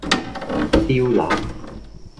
燒臘